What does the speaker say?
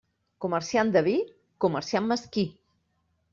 Comerciant de vi, comerciant mesquí.